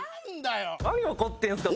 何怒ってるんすか。